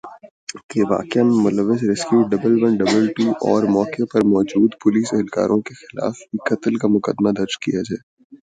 کہ واقعہ میں ملوث rescue double one double two اور موقع پر موجود پولیس اہلکاروں کے خلاف بھی قتل کا مقدمہ درج کیا جائے